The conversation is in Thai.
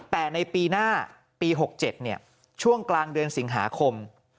แต่ในปีหน้าปี๖๗ช่วงกลางเดือนสิงหาคม